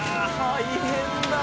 大変だな！